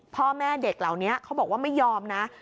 พ่อแม่เด็กเหล่านี้เขาบอกว่าไม่ยอมนะ